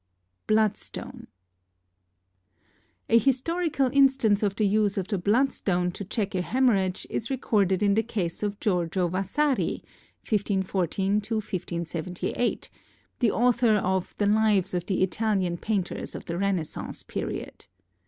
Bloodstone A historical instance of the use of the bloodstone to check a hemorrhage is recorded in the case of Giorgio Vasari (1514 1578), the author of the lives of the Italian painters of the Renaissance period.